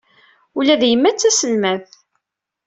Ula d yemma d taselmadt.